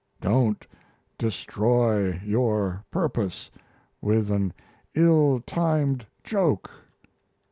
Don't destroy your purpose with an ill timed joke.'